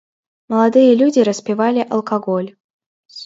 Маладыя людзі распівалі алкаголь.